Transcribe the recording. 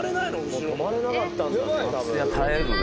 後ろの止まれなかったんだね